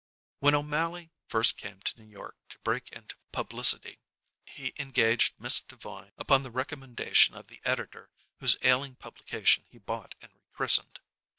When O'Mally first came to New York to break into publicity, he engaged Miss Devine upon the recommendation of the editor whose ailing publication he bought and rechristened.